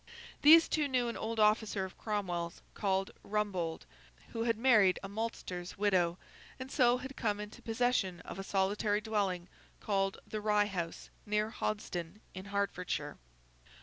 These two knew an old officer of Cromwell's, called Rumbold, who had married a maltster's widow, and so had come into possession of a solitary dwelling called the Rye House, near Hoddesdon, in Hertfordshire.